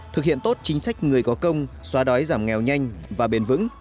thực hiện tốt chính sách người có công xóa đói giảm nghèo nhanh và bền vững